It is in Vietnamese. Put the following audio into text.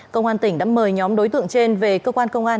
cơ quan tỉnh đã mời nhóm đối tượng trên về cơ quan công an